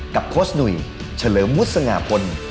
กับโคสต์หนุ่ยเฉลิมุษย์สงาพล